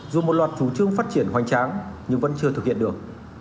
dù một loạt chủ trương phát triển hoành tráng nhưng vẫn chưa thực hiện được